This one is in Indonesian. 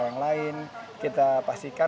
yang lain kita pastikan